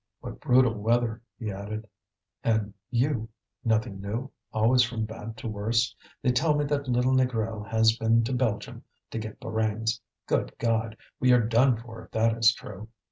"What brutal weather!" he added. "And you nothing new, always from bad to worse? They tell me that little Négrel has been to Belgium to get Borains. Good God! we are done for if that is true!"